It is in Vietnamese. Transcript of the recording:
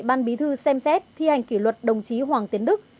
ban bí thư xem xét thi hành kỷ luật đồng chí hoàng tiến đức